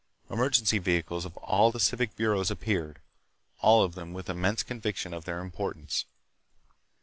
Emergency vehicles of all the civic bureaus appeared, all of them with immense conviction of their importance.